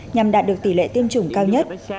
nhằm đạt được tỷ lệ tiêm chủng cao nhất